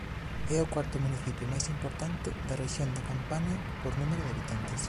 É o cuarto municipio máis importante da rexión da Campania por número de habitantes.